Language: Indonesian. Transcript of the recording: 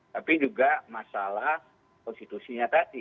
tapi juga masalah konstitusinya tadi